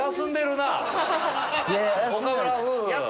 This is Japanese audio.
岡村夫婦。